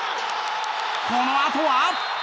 このあとは。